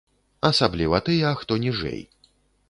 Асабліва тыя, хто ніжэй.